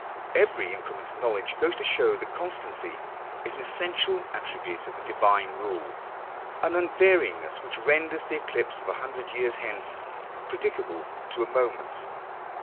Every increment of knowledge goes to show that constancy is an essential attribute of the Divine rule : an unvaryingness which renders the eclipse of a hundred years hence predicable to a moment